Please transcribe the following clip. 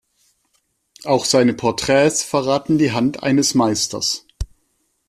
Auch seine Porträts verraten die Hand eines Meisters.